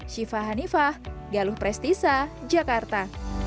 syifa hanifah galuh prestisa jakarta